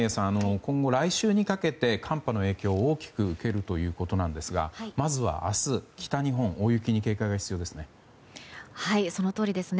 今後、来週にかけて寒波の影響を大きく受けるということですがまずは明日、北日本は大雪に警戒が必要ですね。